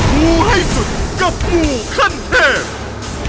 หมูให้สุดกับหมูคันเทพ